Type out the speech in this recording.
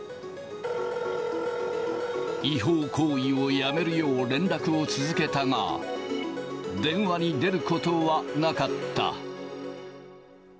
違法行為をやめるよう、連絡を続けたが、電話に出ることはなかった。